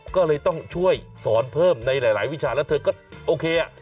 ก็เลยต้องช่วยสอนเพิ่มในหลายวิชาแล้วเธอก็โอเค